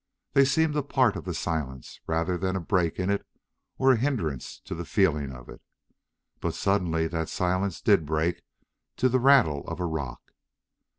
They seemed a part of the silence, rather than a break in it or a hindrance to the feeling of it. But suddenly that silence did break to the rattle of a rock.